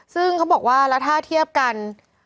ซึ่งเขาบอกว่าแล้วถ้าเทียบกัน